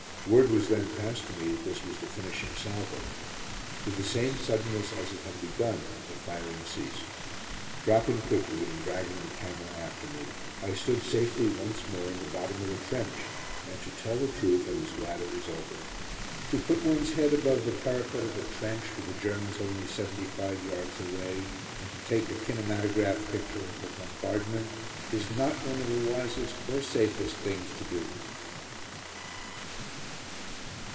Word was then passed to me that this was the finishing salvo. With the same suddenness as it had begun, the firing ceased. Dropping quickly, and dragging the camera after me, I stood safely once more in the bottom of the trench and, to tell the truth, I was glad it was over. To put one's head above the parapet of a trench, with the Germans only seventy five yards away, and to take a kinematograph picture of a bombardment, is not one of the wisest or safest things to do!